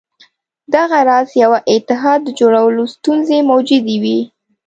دغه راز یوه اتحاد د جوړولو ستونزې موجودې وې.